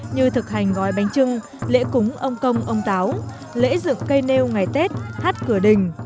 như thực hành gói bánh trưng lễ cúng ông công ông táo lễ dựng cây nêu ngày tết hát cửa đình